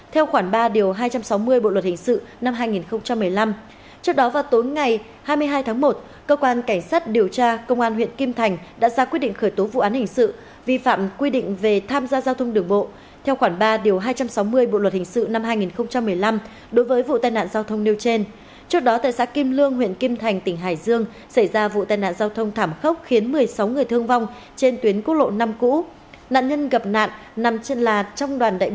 trước đó vào tối ngày hai mươi hai tháng một cơ quan cảnh sát điều tra công an huyện kim thành đã ra quyết định khởi tố vụ án hình sự vi phạm quy định về tham gia giao thông đường bộ